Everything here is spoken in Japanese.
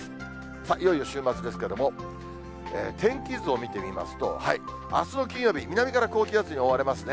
さあ、いよいよ週末ですけれども、天気図を見てみますと、あすの金曜日、南から高気圧に覆われますね。